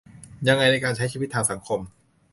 ยังไงในการใช้ชีวิตทางสังคม